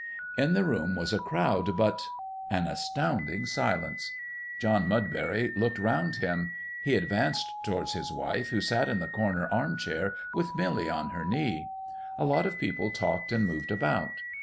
In the room was a crowd, but an astounding silence. John Mudbury looked round him. He advanced towards his wife, who sat in the corner arm chair with Milly on her knee. A lot of people talked and moved about.